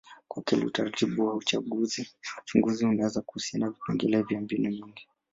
kwa kweli, utaratibu wa uchunguzi unaweza kuhusisha vipengele vya mbinu nyingi.